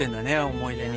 思い出に。